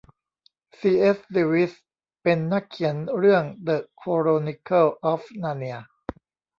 ซีเอส เลวิสเป็นนักเขียนเรื่องเดอะโคโรนิเคิลออฟนาเนีย